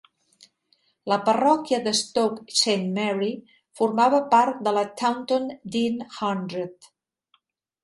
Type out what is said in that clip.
La parròquia de Stoke Saint Mary formava part de la Taunton Deane Hundred.